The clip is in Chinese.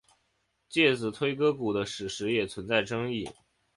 介子推割股的史实也存在争议。